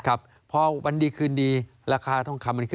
ครับพอวันดีคืนดีราคาทองคำมันขึ้น